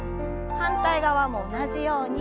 反対側も同じように。